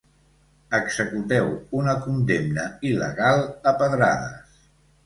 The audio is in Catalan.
Executeu una condemna il·legal a pedrades.